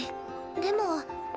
でも。